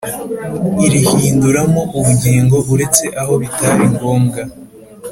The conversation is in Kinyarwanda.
irihinduramo ubugingo uretse aho bitari ngombwa